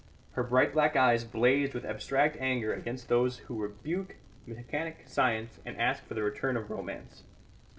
Her bright black eyes blazed with abstract anger against those who rebuke mechanic science and ask for the return of romance.